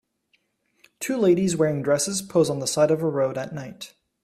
Two ladies wearing dresses pose on the side of the road at night.